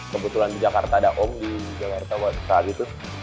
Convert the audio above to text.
kebetulan di jakarta ada om di jakarta saat itu